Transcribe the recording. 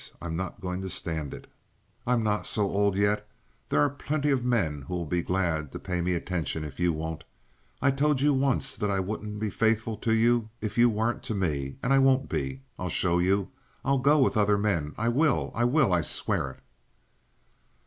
I'm not going to stand it. I'm not so old yet. There are plenty of men who will be glad to pay me attention if you won't. I told you once that I wouldn't be faithful to you if you weren't to me, and I won't be. I'll show you. I'll go with other men. I will! I will! I swear it."